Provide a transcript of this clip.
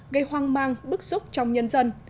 gây hoang mang bức xúc trong nhân dân